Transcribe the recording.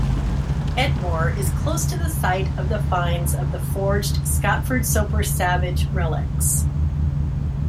Edmore is close to the site of the finds of the forged Scotford-Soper-Savage relics.